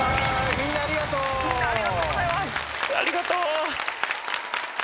みんなありがとうございます。